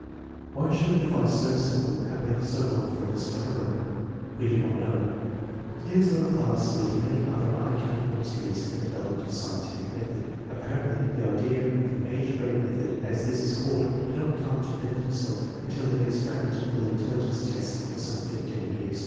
Why should a device so simple have waited so long for a discoverer? We do not know. It is of a class with many other unaccountable mysteries in the development of scientific method. Apparently the idea of an age grade method, as this is called, did not come to Binet himself until he had experimented with intelligence tests for some fifteen years.